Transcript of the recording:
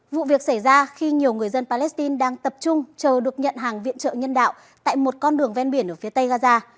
vụ việc xảy ra khi nhiều người dân palestine đang tập trung chờ được nhận hàng viện trợ nhân đạo tại một con đường ven biển ở phía tây gaza